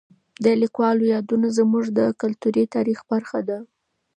د لیکوالو یادونه زموږ د کلتوري تاریخ برخه ده.